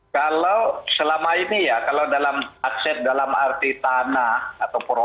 kalau selama ini ya kalau dalam aset dalam arti tanah atau perusahaan